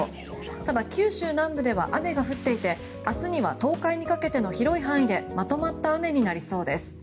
ただ、九州南部では雨が降っていて明日には東海にかけての広い範囲でまとまった雨になりそうです。